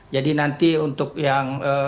jadi nanti untuk yang